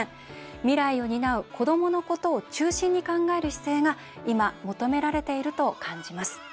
未来を担う子どものことを中心に考える姿勢が今、求められていると感じます。